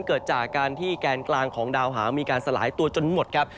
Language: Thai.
เกิดจากการที่แกนกลางของดาวหางมีการสลายตัวจนหมดครับ